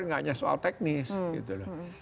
enggak hanya soal teknis